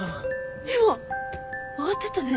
今上がってったね。